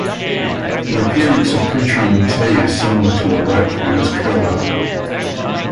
The appearance of pouchong tea is similar to a rope and is curled up.